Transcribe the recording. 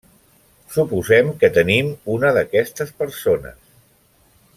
Suposem que tenim una d'aquestes persones.